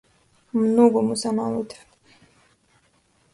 Многу му се налутив.